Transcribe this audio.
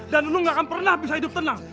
dan lu nggak akan pernah bisa hidup tenang